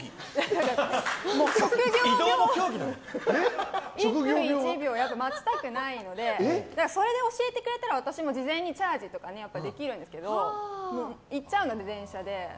職業病で１分１秒待ちたくないのでそれで教えてくれたら私も事前にチャージとかできるんですけど行っちゃうので、電車で。